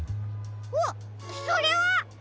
あっそれは！